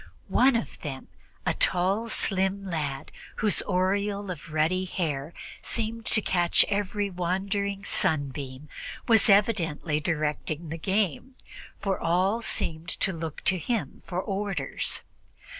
One of them, a tall slim lad, whose aureole of ruddy hair seemed to catch every wandering sunbeam, was evidently directing the game, for all seemed to look to him for orders.